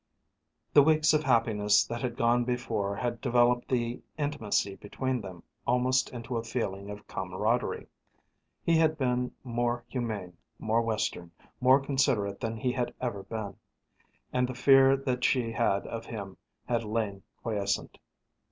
The weeks of happiness that had gone before had developed the intimacy between them almost into a feeling of camaraderie. He had been more humane, more Western, more considerate than he had ever been, and the fear that she had of him had lain quiescent.